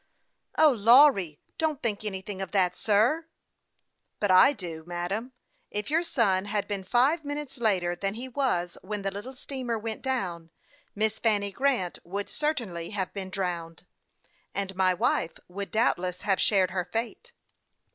" O, Lawry don't think anything of that, sir !"" But I do. Madam, if your son had been five minutes later than he was when the little steamer went down, Miss Fanny Grant would certainly have been drowned, and my wife would doubtless have THE YOUNG PILOT OF LAKE CHAMPLATX 243 shared her fate.